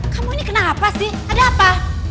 kamu ini kenapa sih ada apa